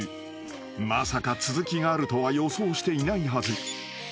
［まさか続きがあるとは予想していないはず］